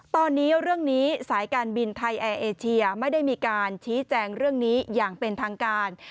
ตอนนี้เรื่องนี้สายการบินไทยแอร์เอเชียไม่ได้มีการชี้แจงเรื่องนี้อย่างเป็นทางการ